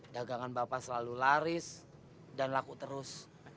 dagangan bapak selalu laris dan laku terus